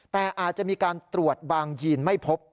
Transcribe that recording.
แต่อาจจะมีการตรวจบางยีนไม่พบ